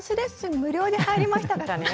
無料で入りましたからね。